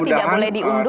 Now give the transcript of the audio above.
tidak boleh diunduh